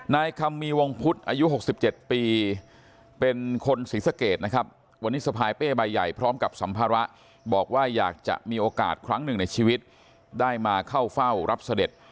คำมีวงพุทธอายุ๖๗ปีเป็นคนศรีสะเกดนะครับวันนี้สะพายเป้ใบใหญ่พร้อมกับสัมภาระบอกว่าอยากจะมีโอกาสครั้งหนึ่งในชีวิตได้มาเข้าเฝ้ารับเสด็จ